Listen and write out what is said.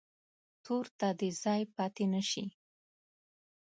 تور ته دې ځای پاتې نه شي.